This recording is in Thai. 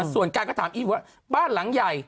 ส่วนการก็ถามอีฟว่าบ้านหลังใหญ่